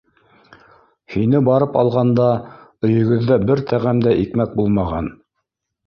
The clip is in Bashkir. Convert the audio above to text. Һине барып алғанда, өйөгөҙҙә бер тәғәм дә икмәк булмаған.